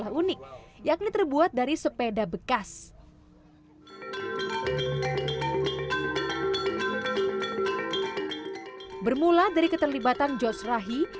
dan juga dengan alunan nada indah lewat dentuman alat musik yang takut